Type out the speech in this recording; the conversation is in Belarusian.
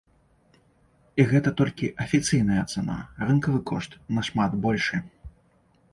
І гэта толькі афіцыйная цана, рынкавы кошт нашмат большы.